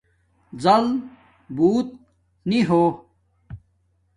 زَل بݸت نی ہو